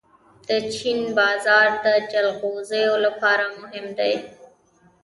د چین بازار د جلغوزیو لپاره مهم دی.